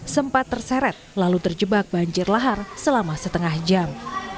sempat terseret lalu terjebak banjir lahar selama setengah jam